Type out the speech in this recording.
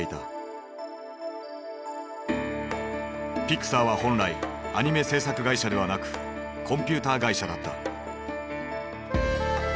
ピクサーは本来アニメ制作会社ではなくコンピューター会社だった。